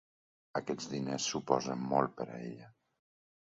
Aquests diners suposen molt per a ella.